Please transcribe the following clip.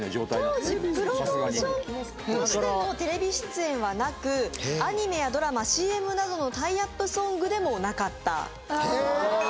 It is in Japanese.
当時プロモーションとしてのテレビ出演はなくアニメやドラマＣＭなどのタイアップソングでもなかったということですね